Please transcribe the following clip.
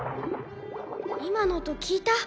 今の音聞いた？」